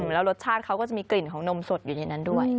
แล้วรสชาติเขาก็จะมีกลิ่นของนมสดอยู่ในนั้นด้วย